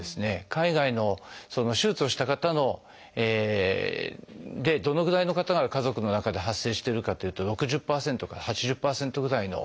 海外の手術をした方でどのぐらいの方が家族の中で発生してるかというと６０％から８０％ぐらいの。